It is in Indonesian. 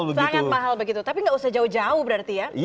sangat mahal begitu tapi nggak usah jauh jauh berarti ya